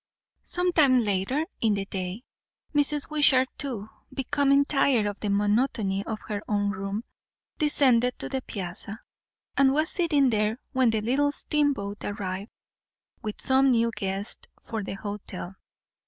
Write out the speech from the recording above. Some time later in the day, Mrs. Wishart too, becoming tired of the monotony of her own room, descended to the piazza; and was sitting there when the little steamboat arrived with some new guests for the hotel.